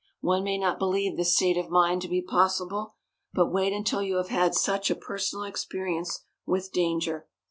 One may not believe this state of mind to be possible, but wait until you have had just such a personal experience with danger.